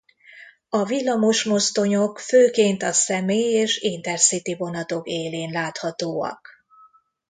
A villamosmozdonyok főként a személy és InterCity vonatok élén láthatóak.